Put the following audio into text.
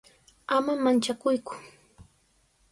Ama manchakuyku.